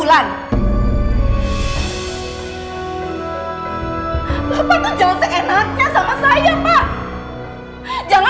kita udah bukan siapa siapa lagi